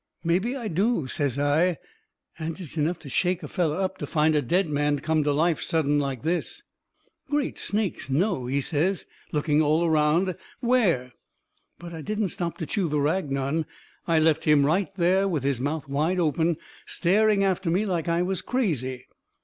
"Mebby I do," says I, "and it's enough to shake a feller up to find a dead man come to life sudden like this." "Great snakes, no!" says he, looking all around, "where?" But I didn't stop to chew the rag none. I left him right there, with his mouth wide open, staring after me like I was crazy.